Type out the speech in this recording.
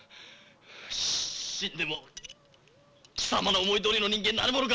死んでも貴様の思いどおりの人間になるものか！